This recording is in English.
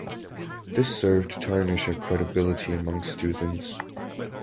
This served to tarnish her credibility among students.